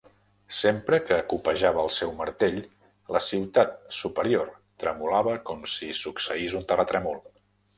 Sempre que copejava el seu martell, la ciutat superior tremolava com si succeís un terratrèmol.